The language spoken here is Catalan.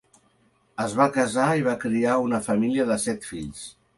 Es va casar i va criar una família de set fills.